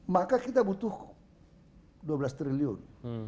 maka kita butuh dua belas triliun